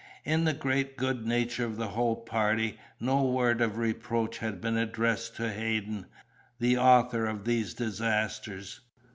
In the great good nature of the whole party, no word of reproach had been addressed to Hadden, the author of these disasters.